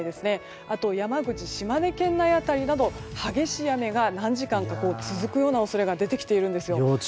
あと山口、島根県内辺りなど激しい雨が何時間か続く恐れが出てきているんです。